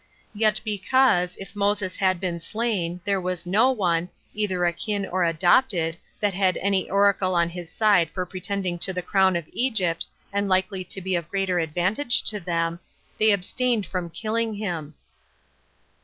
Yet because, if Moses had been slain, there was no one, either akin or adopted, that had any oracle on his side for pretending to the crown of Egypt, and likely to be of greater advantage to them, they abstained from killing him.